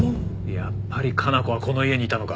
やっぱり加奈子はこの家にいたのか。